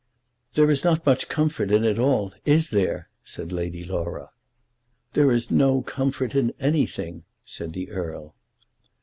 "There is not much comfort in it all, is there?" said Lady Laura. "There is no comfort in anything," said the Earl.